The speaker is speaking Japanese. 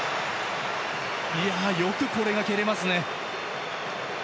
よく、これが蹴れますね。